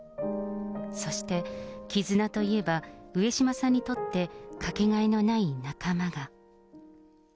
そして、絆といえば、上島さんにとって掛けがえのない仲間が。